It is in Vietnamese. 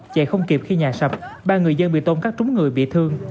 chạy không kịp khi nhà sập ba người dân bị tôn cắt trúng người bị thương